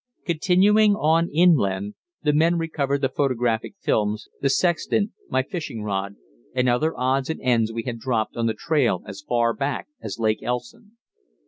Continuing on inland, the men recovered the photographic films, the sextant, my fishing rod, and other odds and ends we had dropped on the trail as far back as Lake Elson.